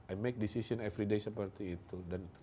i make decision everyday seperti itu